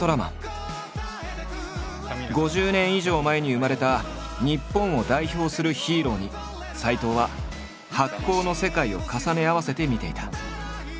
５０年以上前に生まれた日本を代表するヒーローに斎藤は発酵の世界を重ね合わせて見ていた。